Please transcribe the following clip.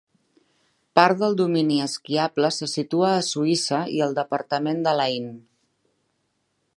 Part del domini esquiable se situa a Suïssa i el departament de l'Ain.